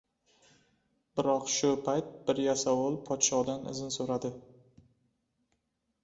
Biroq shu payt bir yasovul podshodan izn soʻradi.